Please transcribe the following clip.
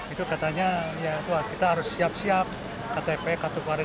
itu katanya kita harus siap siap ktp ktuk dan sebagainya